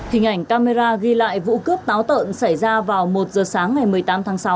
hình ảnh camera ghi lại vụ cướp táo tợn xảy ra vào một giờ sáng ngày một mươi tám tháng sáu